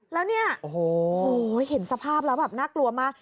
แล้วเนี่ยเห็นสภาพแล้วน่ากลัวมาก